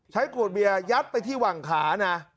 ใช้ขวดเบียร์ยัดไปที่หวังขานะ